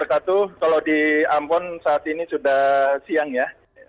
kalau di ambon saat ini sudah siang ya